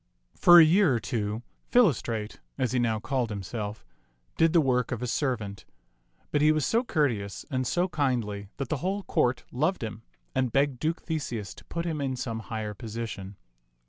For a year or two, Philostrate, as he now called himself, did the work of a servant; but he was so cour teous and so kindly that the whole court loved him and begged Duke Theseus to put him in some higher position.